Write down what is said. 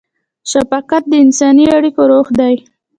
شفقت د انساني اړیکو روح دی.